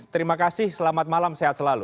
terima kasih selamat malam sehat selalu